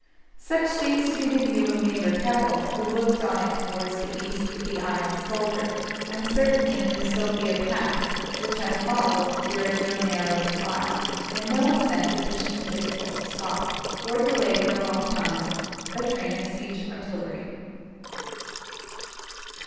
Such seems to be the view of Major Keppell, who looked on it towards the east with the eye of a soldier, and certainly in the Sophia Pass, which I followed, there is no narrow defile, and no ascent sufficiently difficult to stop, or delay for long time, a train of siege artillery.